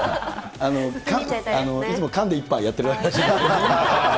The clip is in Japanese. いつも缶で一杯やってるらしい。